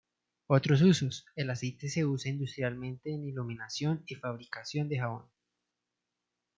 Otros usos: El aceite se usa industrialmente en iluminación y fabricación de jabón.